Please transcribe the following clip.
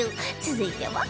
続いては